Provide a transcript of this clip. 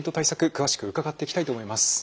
詳しく伺っていきたいと思います。